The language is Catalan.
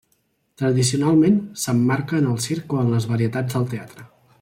Tradicionalment s'emmarca en el circ o en les varietats del teatre.